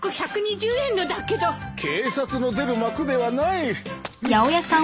警察の出る幕ではない。